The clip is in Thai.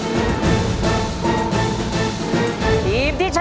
เยาว์เมอร์แมนชนะ